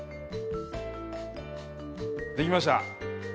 できました。